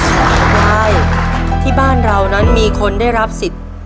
คุณยายที่บ้านเรานั้นมีคนได้รับสิทธิ์